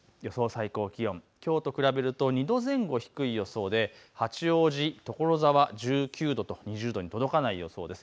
最高気温、きょうと比べると２度前後、低い予想で八王子、所沢１９度と２０度に届かない予想です。